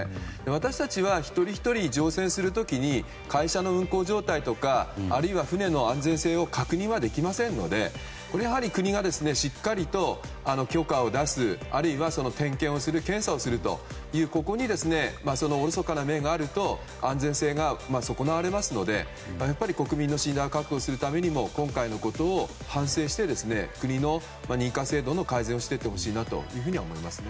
私たちは一人ひとり乗船する時に会社の運航状態とか船の安全性を確認はできませんので、国がしっかりと許可を出すあるいは点検をする検査をするというここにおろそかな面があると安全性が損なわれますのでやっぱり国民の信頼を確保するためにも今回のことを反省して国の認可制度の改善をしていってほしいと思います。